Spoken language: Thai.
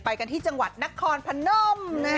ไปกันที่จังหวัดนครพนม